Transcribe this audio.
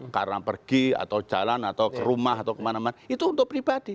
karena pergi atau jalan atau ke rumah atau kemana mana itu untuk pribadi